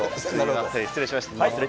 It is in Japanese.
失礼しました。